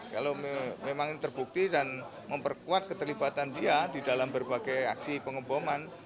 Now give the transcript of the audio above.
kalau memang ini terbukti dan memperkuat keterlibatan dia di dalam berbagai aksi pengeboman